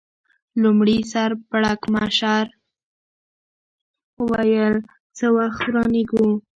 لومړي سر پړکمشر وویل: څه وخت روانېږو؟